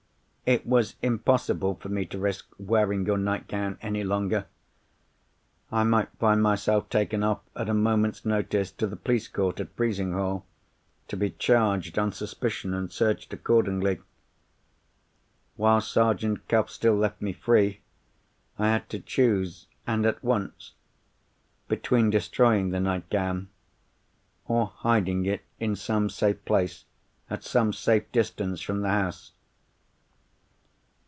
It was impossible for me to risk wearing your nightgown any longer. I might find myself taken off, at a moment's notice, to the police court at Frizinghall, to be charged on suspicion, and searched accordingly. While Sergeant Cuff still left me free, I had to choose—and at once—between destroying the nightgown, or hiding it in some safe place, at some safe distance from the house.